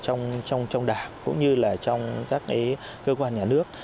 trong đảng cũng như là trong các cơ quan nhà nước